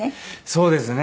そうですね。